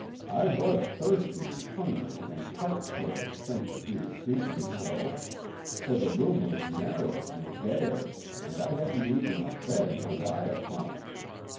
I was thirsty and hungry and heartsore to think that he would treat me so, for the room was narrow and bare and I hadn't even a bed to lie upon.